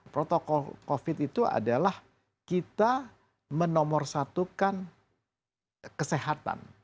protokol covid itu adalah kita menomorsatukan kesehatan